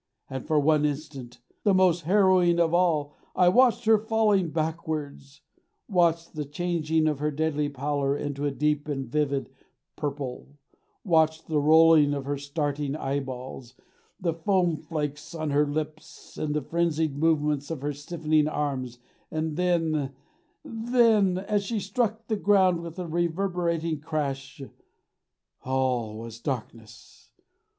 For one instant the most harrowing of all I watched her falling backwards; watched the changing of her deadly pallor into a deep and vivid purple, watched the rolling of her starting eyeballs, the foam flakes on her lips, and the frenzied movements of her stiffening arms and then THEN as she struck the ground with a reverberating crash all was darkness.